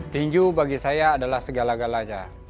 tinju bagi saya adalah segala galanya